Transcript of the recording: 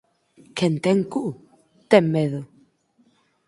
Quen ten cu, ten medo.